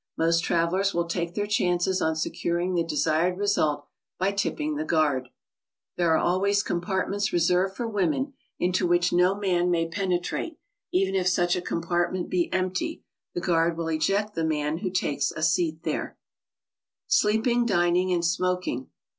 Most travelers will take their chances on securing the desired result by tipping the guard. There are always compartments reserved for women, into which no man may penetrate; even if such a compart ment be empty, the guard will eject the man who takes a seat there. 58 GOING ABROAD? SLEEPING, DINING, AND SMOKING.